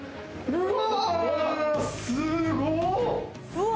うわ！